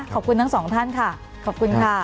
ขอบคุณทั้งสองท่านค่ะขอบคุณค่ะ